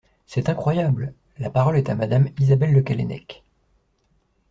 C’est incroyable ! La parole est à Madame Isabelle Le Callennec.